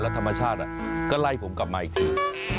ธรรมชาติก็ไล่ผมกลับมาอีกที